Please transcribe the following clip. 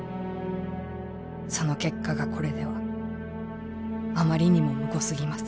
その結果がこれではあまりにもむごすぎます」。